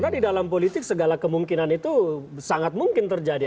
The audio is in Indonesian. karena di dalam politik segala kemungkinan itu sangat mungkin terjadi